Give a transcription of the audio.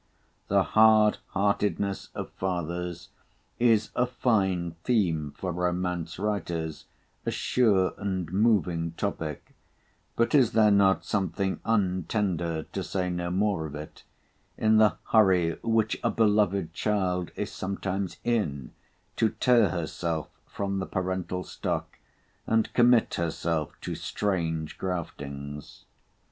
The hard heartedness of fathers is a fine theme for romance writers, a sure and moving topic; but is there not something untender, to say no more of it, in the hurry which a beloved child is sometimes in to tear herself from the parental stock, and commit herself to strange graftings?